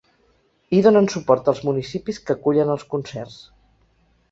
Hi donen suport els municipis que acullen els concerts.